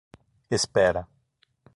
Espera